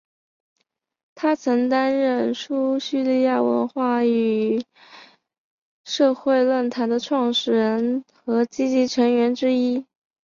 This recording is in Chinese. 他曾担任叙利亚文化与社会论坛的创始人和积极成员之一。